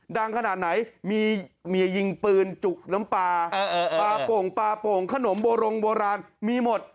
ดังขนาดไหนมีเมียยิงปืนจุกน้ำปลาปลาโป่งปลาโป่งขนมโบรงโบราณมีหมด